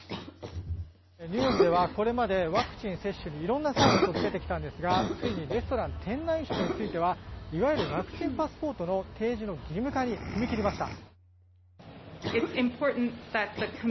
ニューヨークではこれまでワクチン接種に色んなサービスをつけてきたんですがついにレストラン店内飲食についてはいわゆるワクチンパスポートの提示の義務化に踏み切りました。